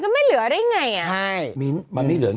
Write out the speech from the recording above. ใช่จริง